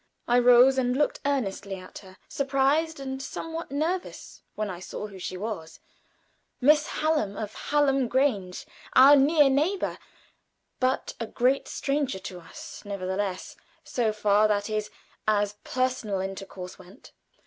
I rose and looked earnestly at her, surprised and somewhat nervous when I saw who she was Miss Hallam, of Hallam Grange, our near neighbor, but a great stranger to us, nevertheless, so far, that is, as personal intercourse went.